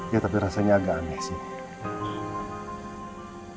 ya tapi rasanya agak aneh sih